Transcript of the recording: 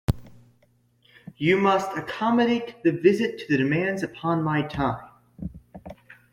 You must accommodate the visit to the demands upon my time.